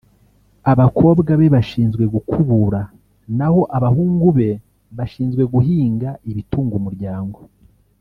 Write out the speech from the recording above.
abakobwa be bashinzwe gukubura naho abahungu be bashinzwe guhinga ibitunga umuryango